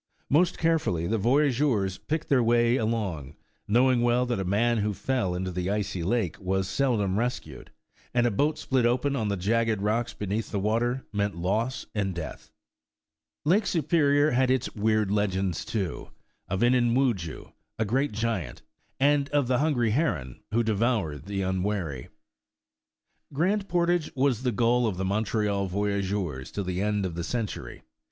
Most carefully the voyageurs picked their way along, knowing well that a man who fell into the icy lake was seldom rescued, and a boat split open on the jagged rocks beneath the water, meant loss and death. Lake Superior had its weird legends, too, of Inini Wudjoo, a great giant, and of the hungry heron who devoured the unwary. Grand Portage was the goal of the Montreal voy ageurs till the end of the century.